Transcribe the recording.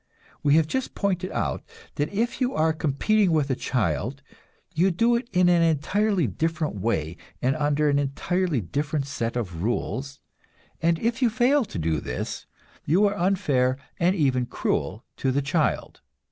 We have just pointed out that if you are competing with a child, you do it in an entirely different way and under an entirely different set of rules, and if you fail to do this, you are unfair and even cruel to the child.